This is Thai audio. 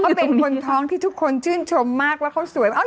เขาเป็นคนท้องที่ทุกคนชื่นชมมากแล้วเขาสวย